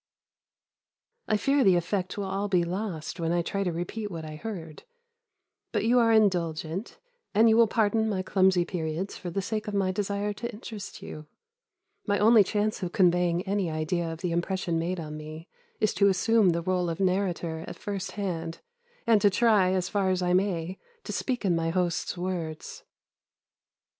I fear the effect will all be lost when I try to repeat what I heard but you are indulgent, and you will pardon my clumsy periods for the sake of my desire to interest you. My only chance of conveying any idea of the impression made on me is to assume the rôle of narrator at first hand, and to try, as far as I may, to speak in my host's words.